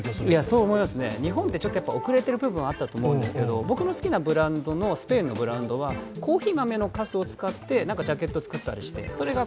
そう思いますね、日本って、遅れている部分あったと思うんですけど僕の好きなブランド、スペインのブランドではコーヒー豆のかすを使ってジャケットを作ったりして。